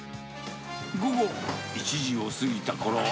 午後１時を過ぎたころ。